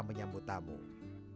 perhatian rumah meloka